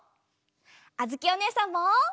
あづきおねえさんも！